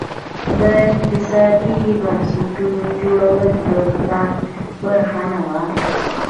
د اقتصادي بنسټونو جوړول د پلان برخه نه وه.